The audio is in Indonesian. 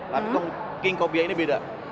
tapi king cobia ini beda